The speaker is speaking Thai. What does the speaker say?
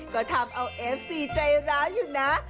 ก็ทำเอาเอฟซีใจร้าวอยู่นะ